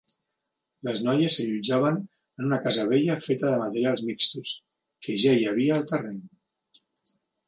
Les noies s'allotjaven en una casa vella feta de materials mixtos que ja hi havia al terreny.